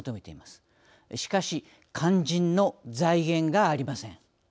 しかし肝心の財源がありません。